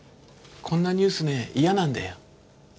こんなニュースね嫌なんだよ。